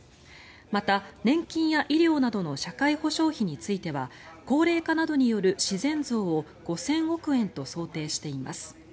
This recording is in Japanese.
また、年金や医療などの社会保障費については高齢化などによる自然増を５０００億円と想定しています。